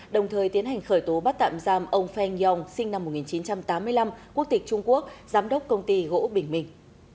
đồng thời tiến hành khởi tố bắt tạm giam ông feng yong sinh năm một nghìn chín trăm tám mươi năm quốc tịch trung quốc giám đốc công ty gỗ bình minh